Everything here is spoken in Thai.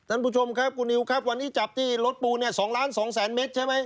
ท่านผู้ชมครับคุณนิวครับวันนี้จับที่รถปูเนี่ย๒ล้าน๒แสนเมตรใช่ไหม